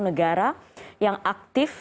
negara yang aktif